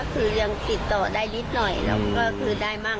เสียงเขาอยู่อ่ะ